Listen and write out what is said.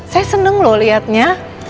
saya seneng loh liatnya